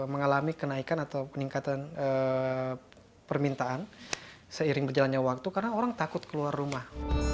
mengalami kenaikan atau peningkatan permintaan seiring berjalannya waktu karena orang takut keluar rumah